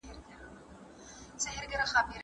همکاري د ګاونډیو لپاره ګټه لري.